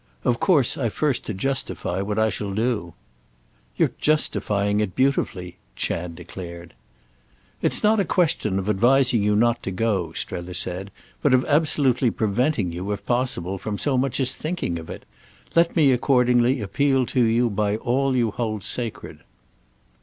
"Of course I've first to justify what I shall do." "You're justifying it beautifully!" Chad declared. "It's not a question of advising you not to go," Strether said, "but of absolutely preventing you, if possible, from so much as thinking of it. Let me accordingly appeal to you by all you hold sacred."